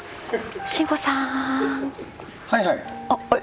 はいはい。